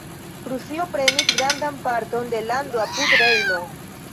Prusio prenis grandan parton de lando apud Rejno.